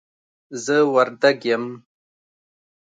زه وردګ یم